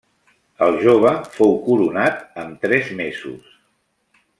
El jove fou coronat amb tres mesos.